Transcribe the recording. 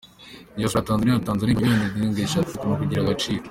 Diyasipora ya tanzaniya yatanze arenga miliyoni mirongo itatu neshatu mukigega agaciro